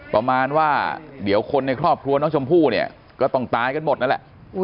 ประมาณว่าเดี๋ยวคนในครอบครัวน้องชมพู่เนี่ยก็ต้องตายกันหมดนั่นแหละ